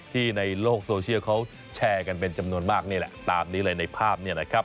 ในโลกโซเชียลเขาแชร์กันเป็นจำนวนมากนี่แหละตามนี้เลยในภาพเนี่ยนะครับ